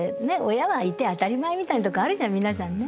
親はいて当たり前みたいなとこあるじゃない皆さんね。